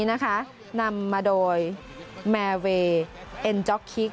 นำมาโดยแมร์เวย์เอ็นจ๊อกคิก